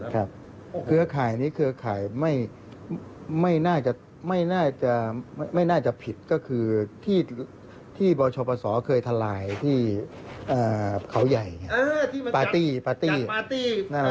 ครับเครือข่ายนี้เครือข่ายไม่น่าจะผิดก็คือที่บรชปศเคยทลายที่เขาใหญ่ปาร์ตี้นั่นแหละ